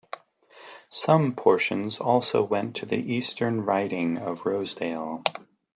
Some portions also went to the eastern riding of Rosedale.